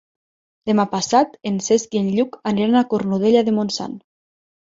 Demà passat en Cesc i en Lluc aniran a Cornudella de Montsant.